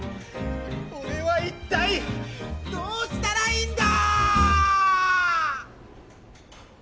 俺は一体どうしたらいいんだ！！